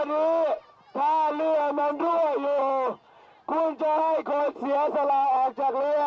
วันนี้ถ้าเรือมันรั่วอยู่คุณจะให้เขาเสียสละออกจากเรือ